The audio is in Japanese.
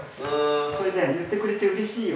言ってくれてうれしいよ。